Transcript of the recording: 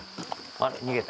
あっ、逃げた。